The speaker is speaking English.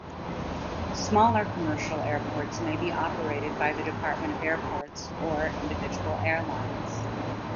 Smaller commercial airports may be operated by the Department of Airports or individual airlines.